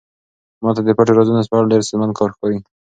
ما ته د پټو رازونو سپړل ډېر ستونزمن کار ښکاري.